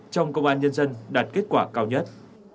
trong công an nhân dân đạt kết quả cao nhất